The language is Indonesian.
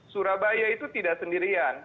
surabaya itu tidak sendirian